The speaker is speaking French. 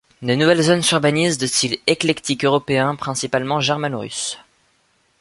De nouvelles zones s'urbanisent, de style éclectique européen, principalement germano-russe.